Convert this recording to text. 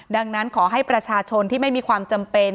ดังนั้นขอให้ประชาชนที่ไม่มีความจำเป็น